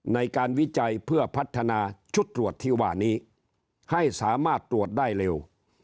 วิจัยเพื่อพัฒนาชุดตรวจที่ว่านี้ให้สามารถตรวจได้เร็ว